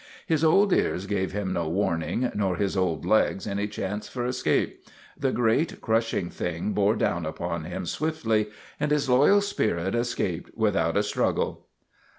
His old ears gave him no warning nor his old legs any chance for escape; the great, crushing thing bore down upon him swiftly and his loyal spirit escaped without a struggle.